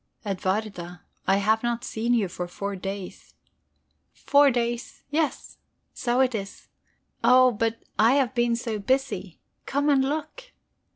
"Edwarda, I have not seen you for four days." "Four days, yes so it is. Oh, but I have been so busy. Come and look."